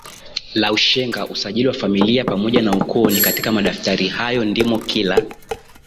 la ushenga usajili wa familia pamoja na ukoo ni katika madaftari hayo ndimo kila